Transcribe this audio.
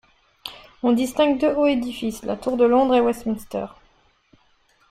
On distingue deux hauts édifices, la tour de Londres et Westminster.